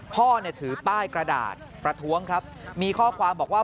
พ่อเนี่ยถือป้ายกระดาษประท้วงครับมีข้อความบอกว่า